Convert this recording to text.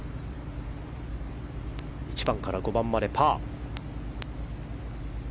１番から５番までパー。